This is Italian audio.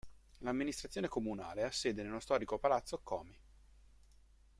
L'amministrazione comunale ha sede nello storico palazzo Comi.